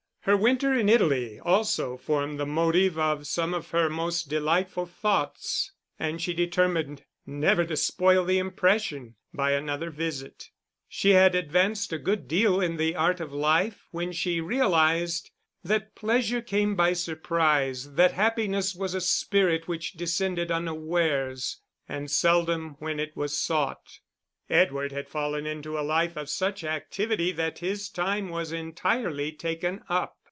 Her winter in Italy also formed the motive of some of her most delightful thoughts, and she determined never to spoil the impression by another visit. She had advanced a good deal in the art of life when she realised that pleasure came by surprise, that happiness was a spirit which descended unawares, and seldom when it was sought. Edward had fallen into a life of such activity that his time was entirely taken up.